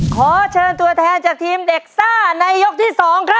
ขอเชิญตัวแทนจากทีมเด็กซ่าในยกที่๒ครับ